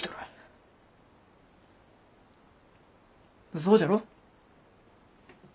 そうじゃろ？